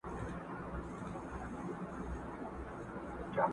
د هر وګړي سیوری نه وهي په توره ظالم٫